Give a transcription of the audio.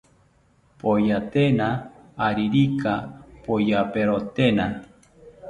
Poyatena aririka poyaperotena